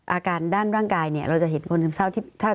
อาการด้านร่างกายเนี่ยเราจะเห็นคนซึมเศร้า